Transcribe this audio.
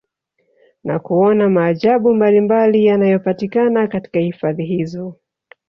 Na kuona maajabu mbalimbali yanayopatikana katika hifadhi hizo